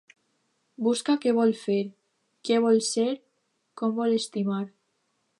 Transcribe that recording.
Busca què vol fer, què vol ser, com vol estimar.